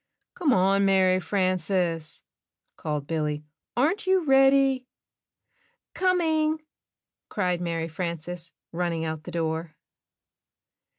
"Come on, Mary Frances," called Billy, "aren't you ready?" "Coming," cried Mary Frances, running out the door.